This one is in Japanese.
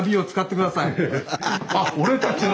あっ「俺たちの」！